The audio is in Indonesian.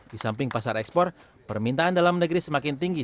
di samping pasar ekspor permintaan dalam negeri semakin tinggi